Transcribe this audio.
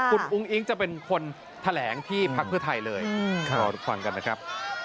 คุณอุ้งอิ๊งจะเป็นคนแถลงที่พักเพื่อไทยเลยรอฟังกันนะครับ